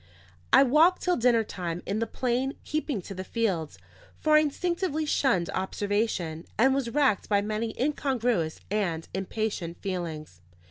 I walked till dinner time in the plain, keeping to the fields; for I instinctively shunned observation, and was racked by many incongruous and impatient feelings.